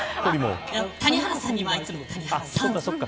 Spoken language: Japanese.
谷原さんにはいつもさんを。